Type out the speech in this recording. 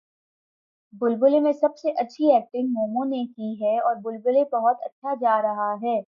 بلبلے میں سب سے اچھی ایکٹنگ مومو نے کی ہے اور بلبلے بہت اچھا جا رہا ہے